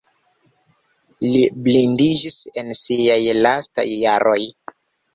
Li blindiĝis en siaj lastaj jaroj.